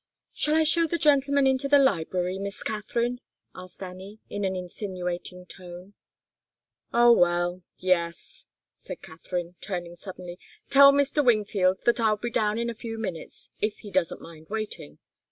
"Shall I show the gentleman into the library, Miss Katharine?" asked Annie, in an insinuating tone. "Oh, well! Yes," said Katharine, turning suddenly. "Tell Mr. Wingfield that I'll be down in a few minutes, if he doesn't mind waiting.